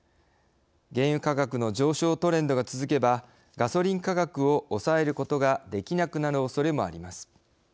原油価格の上昇トレンドが続けばガソリン価格を抑えることができなくなるおそれもあります。